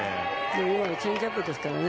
今のはチェンジアップですからね。